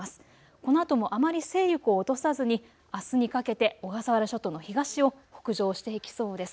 このあともあまり勢力を落とさずにあすにかけて小笠原諸島の東を北上していきそうです。